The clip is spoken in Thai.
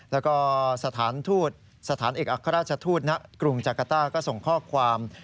แล้วก็สถานทูตสถานเอกอัครราชทูตณกรุงจักรต้าก็ส่งข้อความ